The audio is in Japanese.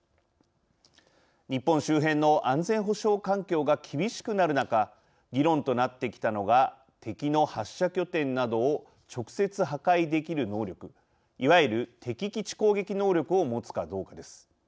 日本周辺の安全保障環境が厳しくなる中議論となってきたのが敵の発射拠点などを直接破壊できる能力いわゆる敵基地攻撃能力を持つかどうかです。